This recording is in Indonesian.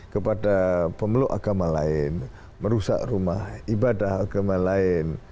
kepada pemeluk agama lain merusak rumah ibadah agama lain